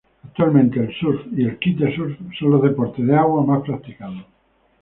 Actualmente el surf y el kitesurf son los deportes de agua más practicados.